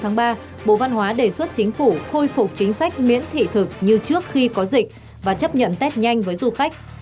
một mươi năm tháng ba bộ văn hóa đề xuất chính phủ khôi phục chính sách miễn thị thực như trước khi có dịch và chấp nhận test nhanh với du khách